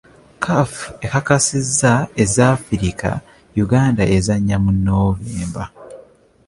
CAF ekakasizza ez'a Afirika Uganda ezannya mu Noovember.